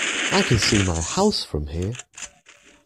I can see my house from here!